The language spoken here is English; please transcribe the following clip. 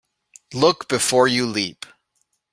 Look before you leap.